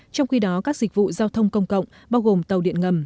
trong khi đó các dịch vụ giao thông công cộng bao gồm tàu điện ngầm